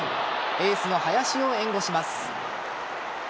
エースの林を援護します。